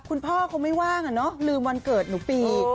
คุณพ่อเขาไม่ว่างอะเนาะลืมวันเกิดหนูปี